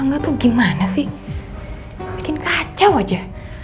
enggak tuh gimana sih bikin kacau aja